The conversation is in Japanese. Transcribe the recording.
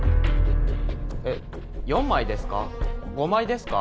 えっ４枚ですか？